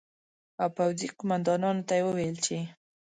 او پوځي قومندانانو ته یې وویل چې